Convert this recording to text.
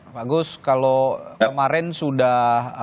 pak gus kalau kemarin sudah apa namanya